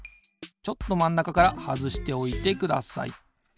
ちょっとまんなかからはずしておいてください。